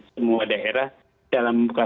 semua daerah dalam membuka